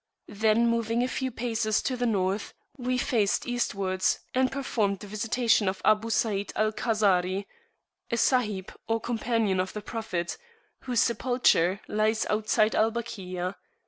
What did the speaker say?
Then moving a few paces to the North, we faced Eastwards, and performed the Visitation of Abu Said al Khazari, a Sahib or Companion of the Prophet, whose sepulchre lies outside Al Bakia.